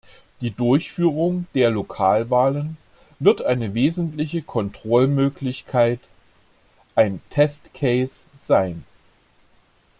Die Durchführung der Lokalwahlen wird eine wesentliche Kontrollmöglichkeit, ein "test case" sein.